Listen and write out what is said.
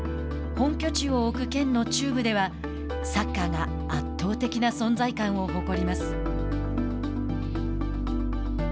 本拠地を置く県の中部ではサッカーが圧倒的な存在感を誇ります。